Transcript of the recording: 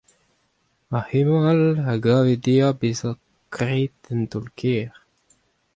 Ha hemañ all a gave dezhañ bezañ graet un taol kaer.